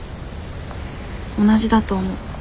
同じだと思う。